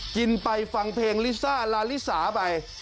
กินไปฟังเพลงลิซ่าลาลิสาไป